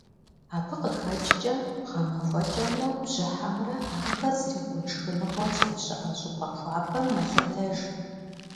Абы къыхэкӏкӏэ гъэмахуэкӏэмрэ бжьыхьэмрэ ахэр зрикъун шхыныгъуэ здэщыӏэ щӏыпӏэ хуабэм мэлъэтэж.